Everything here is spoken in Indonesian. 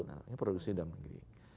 ini produksi dalam negeri